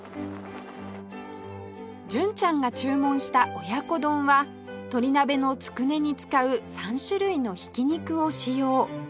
純ちゃんが注文した親子丼はとり鍋のつくねに使う３種類のひき肉を使用